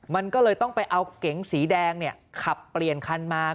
มันก็เลยต้องไปเอาเก๋งสีแดงขับเปลี่ยนคันมา